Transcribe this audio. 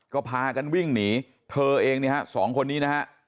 ก็พากันวิ่งหนีเธอเองนะฮะ๒คนนี้นะฮะ